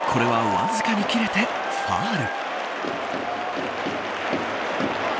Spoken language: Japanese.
これはわずかに切れてファウル。